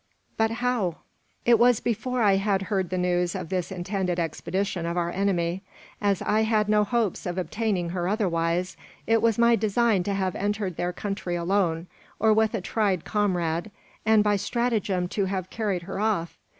"But how?" "It was before I had heard the news of this intended expedition of our enemy. As I had no hopes of obtaining her otherwise, it was my design to have entered their country alone, or with a tried comrade, and by stratagem to have carried her off.